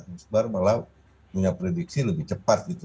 kimus bar malah punya prediksi lebih cepat gitu